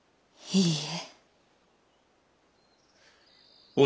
いいえ。